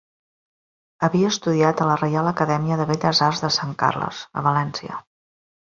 Havia estudiat a la Reial Acadèmia de Belles Arts de Sant Carles, a València.